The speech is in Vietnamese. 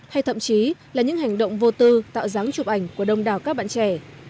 hay thậm chí là những hành động vô tư tạo dáng chụp ảnh của đông đảo các bạn trẻ